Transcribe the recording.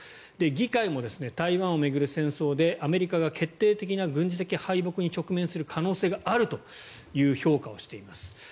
議会も台湾を巡る戦争でアメリカが決定的な軍事的敗北に直面する可能性があるという評価をしています。